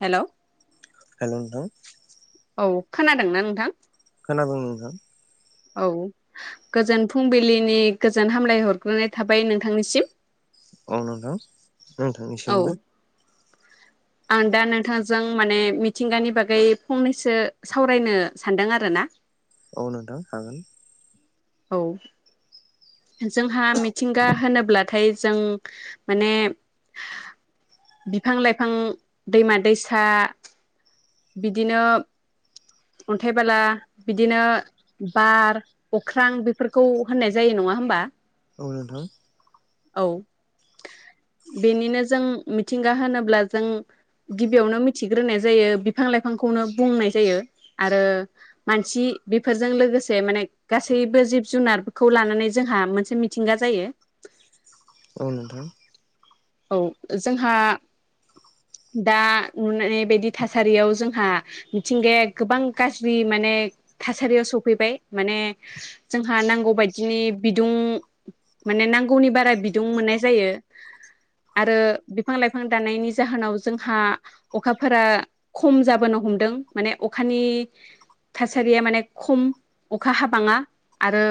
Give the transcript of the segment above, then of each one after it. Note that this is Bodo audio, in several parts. हेलौ हेल' नोंथां औ खोनादोंना नोंथां खोनादों नोंथां औ गोजोन फुंबिलिनि गोजोन हामलाय हरग्रोनाय थाबाय नोंथांनिसिम औ नोंथां औ नोंथांनिसिमबो आं दा नोंथांजों माने मिथिंगानि बागै फंनैसो सावरायनो सानदों आरोना औ नोंथां हागोन औ जोंहा मिथिंगा होनोब्लाथाय जों माने बिफां -लाइफां, दैमा - दैसा बिदिनो अन्थाइ बाला बिदिनो बार अख्रां बेफोरखौ होननाय जायो नङा होनबा औ नोंथां औ बेनिनो जों मिथिंगा होनोब्ला जों गिबियावनो मिथिग्रोनाय जायो । बिफां - लाइफांखौनो बुंनाय जायो आरो मानसि बेफोरजों लोगोसे माने गासैबो जिब - जुनारखौ लानानै जोंहा मोनसे मिथिंगा जायो । औ नोंथां औ जोंहा दा नुनाय बायदि थासारियाव जोंहा मिथिंगाया गोबां गाज्रि माने थासारियाव सफैबाय माने जोंहा नांगौ बायदिनि बिदुं माने नांगौनि बारा बिदुं मोननाय जायो । आरो बिफां - लाइफां दाननायनि जाहोनाव जोंहा अखाफोरा खम जाबोनो हमदों माने अखानि थासारिया माने खम अखा हाबाङा आरो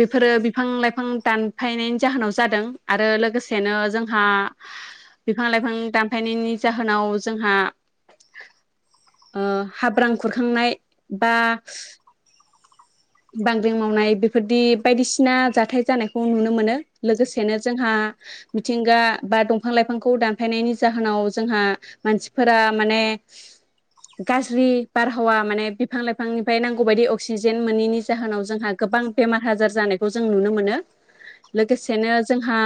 बेफोरो बिफां - लाइफां दानफायनायनि जाहोनाव जादों आरो लोगोसे नो जोंहा बिफां - लाइफां दानफायनायनि जाहोनाव जोंहा ओ हाब्रां खुरखांनाय बा बांग्रिं मावनाय बेफोरदि बायदिसिना जाथाय जानायखौ नुनो मोनो लोगोसेनो जोंहा मिथिंगा बा दंफां लाइफांखौ दानफायनायनि जाहोनाव जोंहा मानसिफोरा माने गाज्रि बारहावा माने बिफां लाइफांनिफ्राय नांगौ बायदि अक्सिजेन मोनैनि जाहोनाव जोंहा गोबां बेमार हाजार जानायखौ जों नुनो मोनो लोगोसेनो जोंहा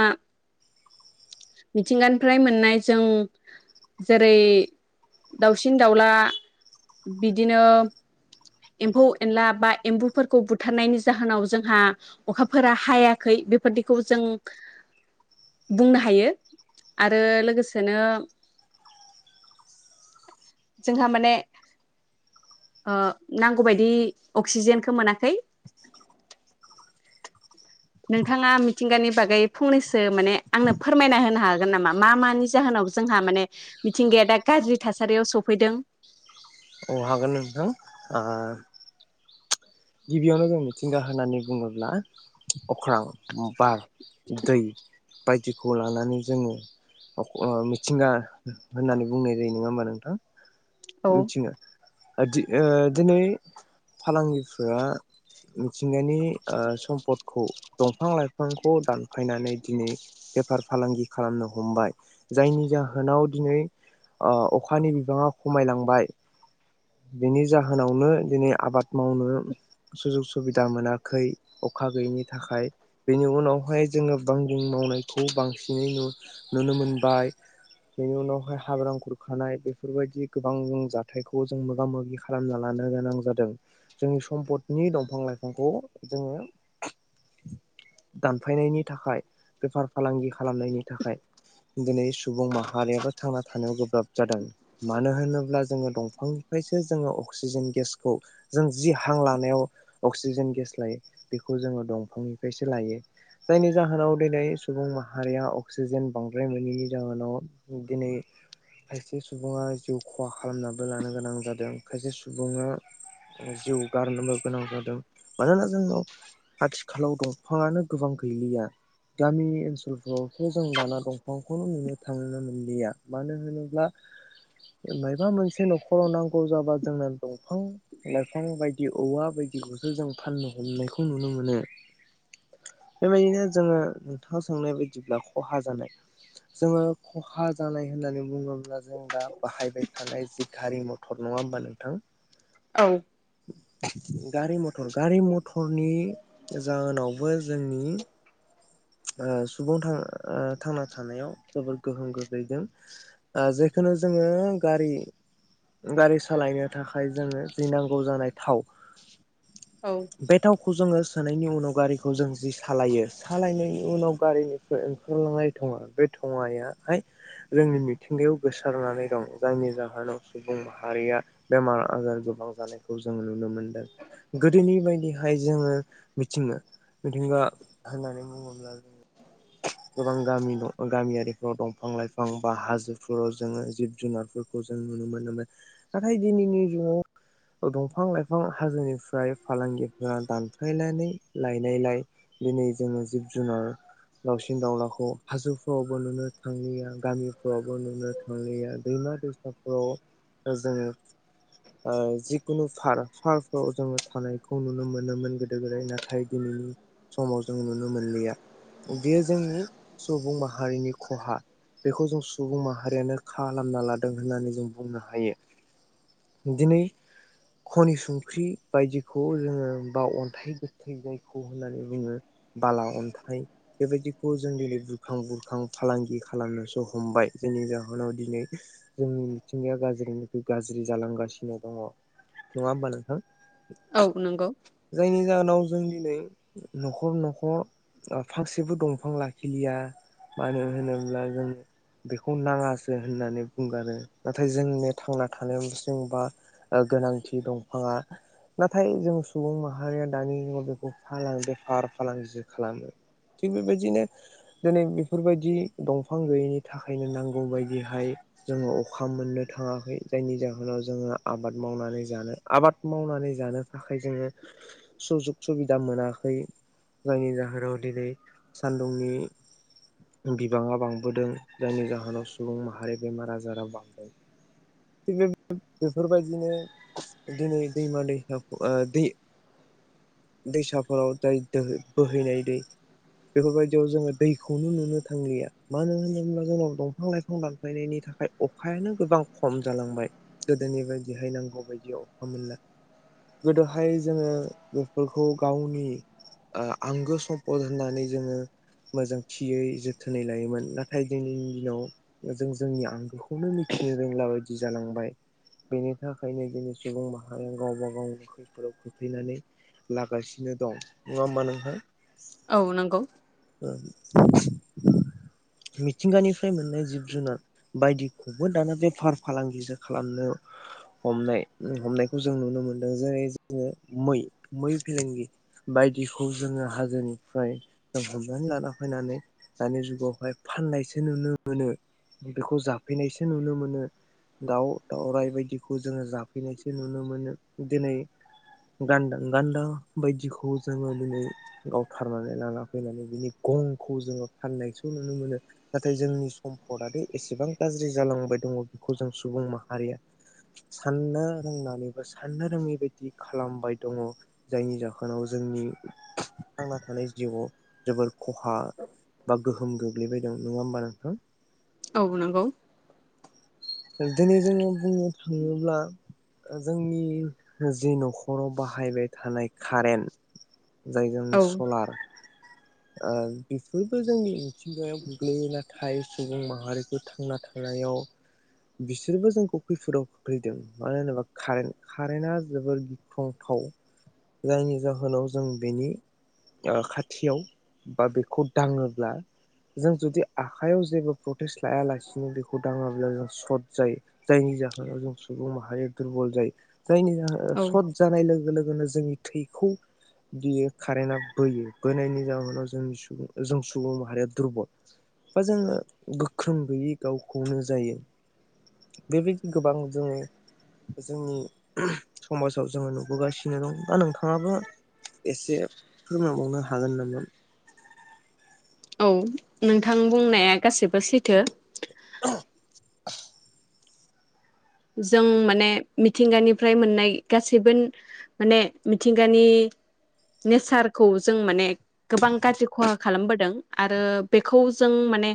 मिथिंगानिफ्राय मोननाय जों जेरै दावसिन दावला बिदिनो एम्फौ एनला बा एम्बु फोरखौ बुथारनायनि जाहोनाव जोंहा अखाफोरा हायाखै बेफोरदिखौ जों बुंनो‌ हायो आरो लोगोसेनो जोंहा माने ओ नांगौ बादि अक्सिजेन खो मोनाखै नोंथाङा मिथिंगानि बागै फंनैसो माने आंनो फोरमायना होनो हागोन नामा? मा मानि जाहोनाव जोंहा माने मिथिंगाया दा गाज्रि थासारियाव सफैदों अ हागोन नोंथां आ गिबियावनो जों मिथिंगा होननानै बुङोब्ला अख्रां बार दै बायदिखौ लानानै जोङो अ मिथिंगा होननानै बुंनाय जायो नङा होमबा नोंथां औ मिथिंगा ओ दिनै फालांगि आ मिथिं गानि आ सम्पदखौ दंफां लाइफांखौ दानफायनानै दिनै बेफार फालांगि खालामनो हमबाय जायनि जाहोनाव दिनै आ अखानि बिबाङा खमायलांबाय बेनि जाहोनावनो दिनै आबाद मावनो सुजुग सुबिदा मोनाखै अखा गैयैनि थाखाय बेनि उनावहाय जोङो बांगिं मावनायखौ बांसिनै नुनो मोनबाय बेनि उनावहाय हाग्रां खुरखानाय बेफोरबायदि गोबां जाथायखौ जों जों मोगा मोगि खालामना लानो गोनां जादों जोंनि सम्पदनि दंफां लाइफांखौ जोङो दानफायनायनि थाखाय बेफार फालांगि खालामनायनि थाखाय दिनै सुबुं माहारियाबो थांना थानायाव गोब्राब जादों मानो होनोब्ला जोङो दंफां- फ्रायसो जोङो अक्सिजेन गेसखौ जों जि हां लानायाव अक्सिजेन गेस लायो बेखौ जोङो दंफांनिफ्रायसो लायो जायनि जाहोनाव दिनै सुबुं माहारिया अक्सिजेन बांद्राय मोनोैनि जाहोनाव दिनै खायसे सुबुङा जिउ खहा खालामनाबो लानो गोनां। जादों खायसे सुबुंङा जिउ गारनोबो गोनां जादों मानोना जोंनाव आथिखालाव दंफाङानो गोबां गैलिया गामि ओनसोलफोरावथ' जों दाना दंफांखौ नुनो थांनो मोनलिया मानो होनोब्ला माइबा मोनसे न'खराव नांगौ। जाबा जोंना दंफां लाइफां बायदि औवा बायदिखौसो जों फाननो हमनायखौ नुनो मोनो बेबायदिनो जोङो नोंथाङा सोंनाय बायदिब्ला खहा जानाय जोङो खहा जानाय होननानै बुङोब्ला जों दा बाहायबाय थानाय जि गारि मथर टर नङा होनोमबा नोंथां। औ। [inaudible] गारि मथर गारि मथर नि जाहोनावबो जोंनि ओ सुबुं ओ थांना थानायाव जोबद गोहोम गोग्लैदों जेखुनु जोङो गारि गारि सालायनो थाखाय जोङो जि नांगौ जानाय थाव औ बे थावखौ जोङो। मोसानायनि उनाव गारिखौ जों जि सालायो सालायनायनि उनाव गारिनि ओंखारलांनाय थङा बे थङायाहाय जोंनि मिथिंगायाव गोसारनानै दं जायनि जाहोनाव सुबुं माहारिया बेमार आजार गोबां जानायखौ जों नुनो मोनदों गोदोनि बायदिहाय जोङो मिथिङो मिथिंगा होननानै बुङोब्ला जोङ गोबां गामि दं गामियारिफ्राव दंफां लाइफां बा हाजोफोराव जोङो जिब जुनारफोरखौ जों नुनो मोनोमोन नाथाय दिनैनि जुगाव दंफां लाइफां हाजोनिफ्राय फालांगिफोरा दानफ्लायनानै लायनायलाय दिनै जोङो जिब जुनार दावउसिन दाावलाखौ हाजोफोरावबो नुनो थांलिया गामिफोरावबो नुनो थांलिया दैमा-दैसा जोङो ओ जिखुनुार फारकफोराव जोङो थानायखौ नुनो मोनोमोन गोदो गोदाय नाथाय दिनैनि समाव जों नुनो मोनलिया बेयो जोंनि सुबुं माहारिनि खहा बेखौ जों सुबुं माहारियानो खालाम खालामना लादों होननानै जों बुंनो हायो दिनै खनि संख्रि बायदिखौ जोङो बा अन्थाइ गोथै जायखौ होननानै बुङो बाला अन्थाइ बेबायदिखौ जों दिनै बुरखां बुरखां फालांगि खालामनोसो हमबाय जायनि जाहोनाव दिनै जोंनि मिथिंगाया गाज्रिनिख्रुइ गाज्रि जालांगासिनो दङ नङा होमबा नोंथां? औ नंगौ। नि जाहोनाव जों दिनै न'खर न'खर फारसेबो दंफां लाखिलिया मानो होनोब्ला जों बेखौ नाङासो होननानै बुंगारो। नाथाय जोंनिया थांना थानाय जबा गोनांथि दंफाङा नाथाय जों सुबुं माहारिया दानि जुगाव बेखौ फालां बेफार फालांगि खालामो थिग बेबायदिनो दिनै बेफोरबायदि दंफां गैयैनि थाखायनो नांगौ बायदिहाय जोङो अखा मोननो थाङाखै जायनि जाहोनाव जोङो आबाद मावनानै जानो आबाद मावनानै जानो थाखाय जोङो सुजुग सुबिदा मोनाखै जायनि जाहोनाव दिनै सानदुंनि बिबाङा बांबोदों जायनि जाहोनाव सुबुं माहारि बेमार आजारा बांदों। थिक बे बेफोरबायदिनो दिनै दैमा दैसा दै दैसाफोराव जायो बोहैनाय दै बेफोरबायदियाव जोङो दैखौनो नुनो थांलिया मानो होनोब्ला जोंनाव दंफां लाइफां दानफायनायनि थाखाय। अखायानो गोबां खम जालांबाय गोदोनि बायदिहाय नांगौ बायदि अखा मोनला गोदोहाय जोङो बेफोरखौ गावनि आंगो आं सम्फद होननानै जोङो मोजां थियै जोथोनै लायोमोन नाथाय दिनैनि दिनाव जों जोंनि आंगोखौ बे खौखौनो मिथिनो रोंला बायदि जालांबाय बेनि थाखायनो दिनै सुबुं माहारिया गावबा गावनि खैफोदाव खोख्लैनानै लागासिनो दं नङा होमबा नोंथां औ नंगौ ओ। मिथिंगानिफ्राय मोननाय जिब जुनार बायदि खौबो दाना बेफार फालांगिसो खालामनो हमनाय हमनायखौ जों नुनो मोनदों जेरै जोङो मै मै फलेंगि बायदिखौ जोङो हाजोनिफ्राय जों हमनानै लाना फैनानै दानि जुगावहाय फाननायसो नुनो मोनो बेखौ जा। जाफैनायसो नुनो मोनो दाउ दाावराइ बायदिखौ जोङो जाफैनायसो नुनो मोनो दिनै गान्दा गान्दा बायदिखौ जोङो दिनै गावथारनानै लाना फैनानै बिनि गंखौ जोङो फाननायसो नुनो मोनो नाथाय जोंनि सम्पदाथ एसेबां गाज्रि जालांबाय दङ बेखौ जों सुबुं माहारिया साननो रोंनानै बा साननो रोङै बायदि खालामबाय दङ जायनि जाहोनाव जोंनि थांना थानाय जिउआव जोबोर खहा बा गोहोम गोग्लैबाय दं नङा होमबा नोंथां? औ नंगौ। दिनै जोङो बुंनो थाङोब्ला जोंनि जि न'खराव बाहायबाय थानाय कारेन्ट जाय जोंनि औ सलार बेफोरबो जोंनि मिथिंगायाव गोग्लैयो नाथाय सुबुं माहारिखौ थांना थानायाव बिसोरबो जोंखौ खैफोदाव खोख्लैदों मानो होनोबा कारेन्ट कारेन्टआ जोबोर गिख्रंथाव जायनि जाहोनाव जों बेनि खाथियाव बा बेखौ दाङोब्ला जों जुदि आखाइयाव जेबो प्रटेस्ट लायालासिनो बेखौ दाङोब्ला जों सर्ट जायो जायनि जाहोनाव जों सुबुं माहारिया दुरबल जायो। जायनि जाहोन औ सट जानाय लोगो लोगो जोंनि थैखौ बियो कारेन्टआ बोयो बोनायनि जाहोनाव जोंनि जों सुबुं माहारिया दुरबल बा जोङो गोख्रों गैयै गावखौनो जायो। बेबायदि गोबां जोङो जोंनि समाजाव जोङो नुबोगासिनो दं बा नोंथाङाबो एसे फोरमायबावनो हागोन नामा? औ नोंथां बुंनाया गासैबो सैथो। जों माने मिथिंगानिफ्राय मोननाय गासैबो माने मिथिंगानि नेचारखौ जों माने गोबां गाज्रि खहा खालामबोदों आरो बेखौ जों माने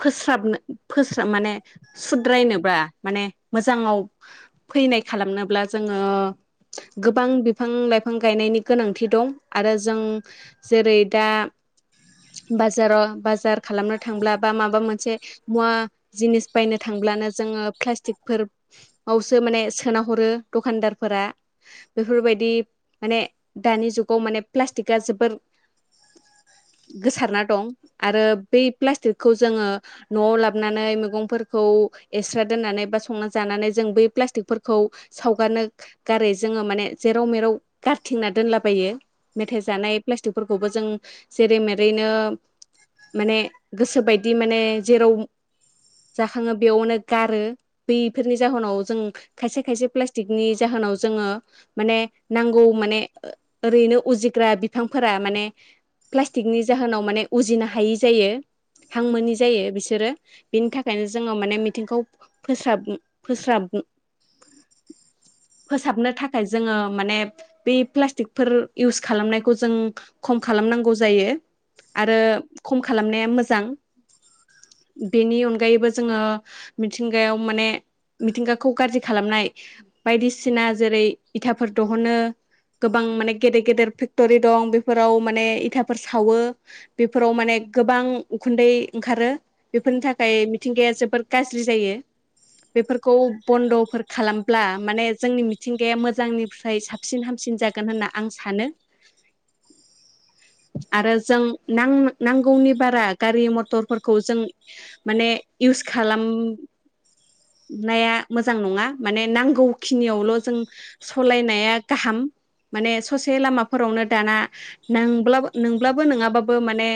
फोस्राबनो फोस माने सुद्रायनोब्ला माने मोजाङाव फैनाय खालामनोब्ला जोङो गोबां बिफां लाइफां गायनायनि गोनांथि दं आरो जों जेरै दा बाजाराव बाजार खालामनो थांब्ला बा माबा मोनसे मुवा जिनिस बायनो थांब्लानो जोङो प्लास्टिक फोरावसो माने सोना हरो दखानदारफोरा बेफोरबायदि माने दानि जुगाव माने प्लास्टिकआ जोबोर गोसारना दं आरो बै प्लास्टिकखौ जोङो न'आव लाबोनानै मैगंफोरखौ एक्स्रा दोननानै बा संना जानानै जों बै प्लास्टिकफोरखौ सावगारनो गारै जोङो माने जेराव मेराव गारथिंना दोनलाबायो मेथाइ जानाय प्लास्टिकफोरखौबो जों जेरै मेरैनो माने गोसोबायदि माने जेराव जाखाङो बेयावनो गारो। बैफोरनि जाहोनाव जों खायसे खायसे प्लास्टिकनि जाहोनाव जोङो माने नांगौ माने ओरैनो उजिग्रा बिफांफोरा माने प्लास्टिकनि जाहोनाव माने उजिनो हायि जायो हां मोनि जायो बिसोरो बेनि थाखायनो जोङो माने मिथिंखौ फोस्राब फोस्राब फोसाबनो थाखाय जोङो माने बै प्लास्टिकफोर इउस खालामनायखौ जों खम खालामनांगौ जायो आरो खम खालामनाया मोजां बेनि अनगायैबो जोङो मि थिंगायाव माने मिथिंगाखौ गाज्रि खालामनाय बायदिसिना जेरै इथाफोर दहनो गोबां माने गेदेर गेदेर फेक्टरि दं बेफोराव माने इथाफोर सावो बेफोराव माने गोबां उखुन्दै ओंखारो बेफोरनि थाखाय मिथिंगाया जोबोर गाज्रि जायो बेफोरखौ बन्दफोर खालामब्ला माने जोंनि मिथिंगाया मोजांनिफ्राय साबसिन हामसिन जागोन होनना आं सानो आरो जों नां नांगौनि बारा गारि मटरफोरखौ जों माने इयुस खालाम नाया मोजां नङा माने नांगौखिनियावल' जों सलायनाया गाहाम माने ससे लामाफोरावनो दाना नांब्लाबो नोंब्लाबो नङाबाबो माने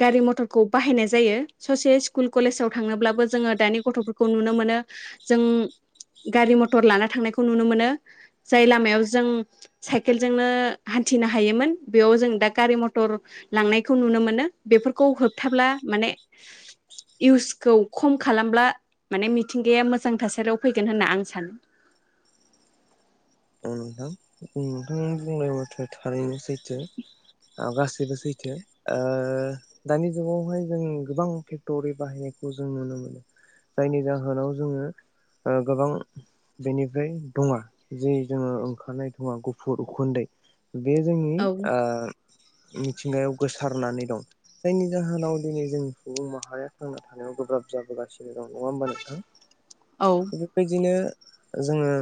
गारि मथरखौ बाहायनाय जायो ससे स्कुल कलेजाव थांनोब्लाबो जोङो दानि गथ'फोरखौ नुनो मोनो जों गारि मथर लाना थांनायखौ नुनो मोनो जाय लामायाव जों साइकेलजोंनो हान्थिनो हायोमोन बेयाव जों दा गारि मथर लांनायखौ नुनो मो नो बेफोरखौ होबथाब्ला माने इउसखौ खम खालामब्ला माने मिथिंगाया मोजां थासारियाव फैगोन होनना आं सानो। उम नोंथां नोंथां बुंनाय मथे थारैनो सैथो आ गासैबो सैथो आ दानि जुगावहाय जों गोबां फेक्ट'रि बाहायनायखौ जों नुनो मोनो जायनि जाहोनाव जोङो ओ गोबां बेनिफ्राय थुङा जे जोङो ओंखारनाय थुङा गुफुर उखुनदै बे जोंनि आ मिथिंगायाव गोसारनानै दं जायनि जाहोनाव दिनै जों सुबुं माहारिया थांना थानायाव गोब्राब जाबोगासि नो दं नङा होमबा नोंथां औ थिग बेबायदिनो जोङो